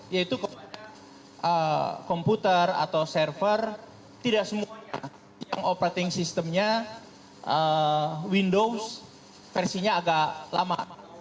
yaitu komputer atau server tidak semua yang operating systemnya windows versinya agak lama